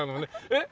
えっ！